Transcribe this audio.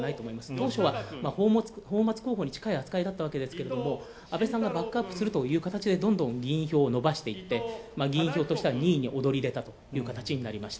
当初は泡まつ候補に扱いだったわけですけども、安倍さんがバックアップするという形でどんどん議員票を伸ばしていって、議員票としては２位に躍り出た形になりました。